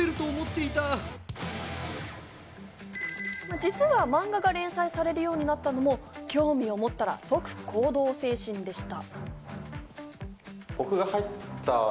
実は漫画が連載されるようになったのも興味を持ったら即行動精神でした。